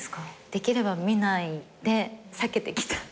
できれば見ないで避けてきた。